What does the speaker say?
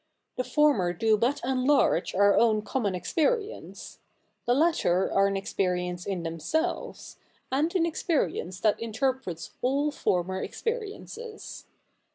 The former do but enlarge our own common experience. The latter are an experience in themselves, and an experience that interprets all former experiences.